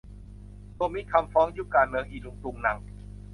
รวมมิตรคำฟ้อง ยุคการเมืองอิรุงตุงนัง